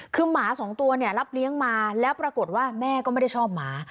คือหมาสองตัวเนี่ยรับเลี้ยงมาแล้วปรากฏว่าแม่ก็ไม่ได้ชอบหมา